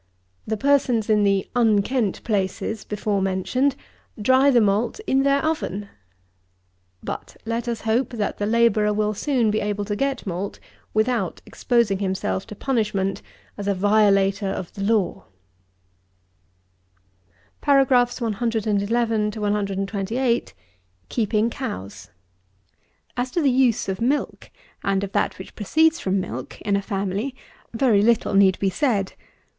The persons in the "unkent places" before mentioned, dry the malt in their oven! But let us hope that the labourer will soon be able to get malt without exposing himself to punishment as a violater of the law. KEEPING COWS. 111. As to the use of milk and of that which proceeds from milk, in a family, very little need be said.